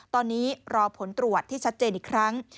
ตอนนี้รอผลตรวจที่ชัดเจนอีกครั้ง